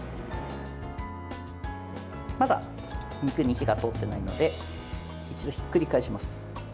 まだ肉に火が通っていないので一度、ひっくり返します。